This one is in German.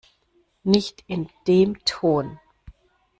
Nicht in dem Ton!